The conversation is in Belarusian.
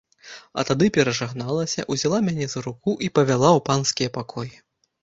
А тады перажагналася, узяла мяне за руку і павяла ў панскія пакоі.